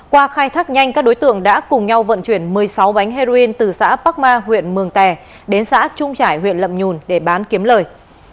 qua khai thác nhanh các đối tượng đã cùng nhau vận chuyển một mươi sáu bánh heroin từ xã bắc ma huyện mường tè đến xã trung trải huyện lậm nhùn để bán kiếm lời